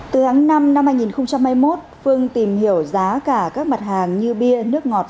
từ tháng năm năm hai nghìn hai mươi một phương tìm hiểu giá cả các mặt hàng như bia nước ngọt